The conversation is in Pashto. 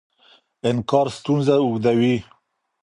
انکار ستونزه اوږدوي.